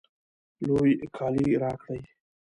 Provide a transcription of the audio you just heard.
لوی کالی راکړئ